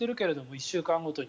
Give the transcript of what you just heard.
１週間ごとに。